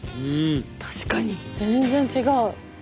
確かに全然違う！